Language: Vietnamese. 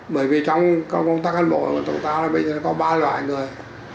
bởi vì trong công tác cán bộ của chúng ta là bây giờ có ba loại người